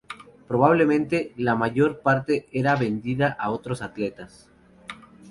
Probablemente, la mayor parte era vendida a otros atletas.